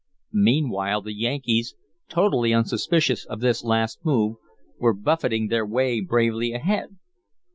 Meanwhile the Yankees, totally unsuspicious of this last move, were buffeting their way bravely ahead.